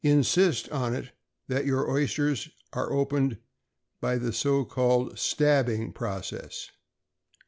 Insist on it that your oysters are opened by the so called "stabbing" process.